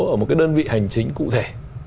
ở một cái đơn vị hành chính cụ thể